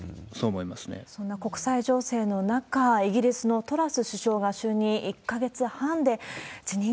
そんな国際情勢の中、イギリスのトラス首相が就任１か月半で辞任。